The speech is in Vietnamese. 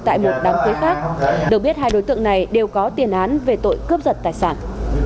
tại một đám cưới khác được biết hai đối tượng này đều có tiền án về tội cướp giật tài sản